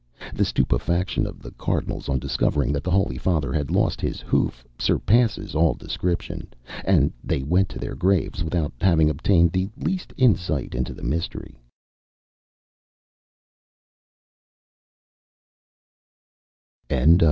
The stupefaction of the Cardinals on discovering that the Holy Father had lost his hoof surpasses all description, and they went to their graves without having obtained the least insight into the mystery.